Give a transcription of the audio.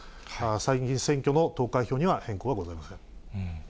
参議院選挙の投開票には変更はございません。